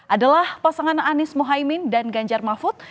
adalah pasangan anies mohaimin dan ganjar mahfud